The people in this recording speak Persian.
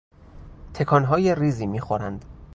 تکانهای ریزی میخورند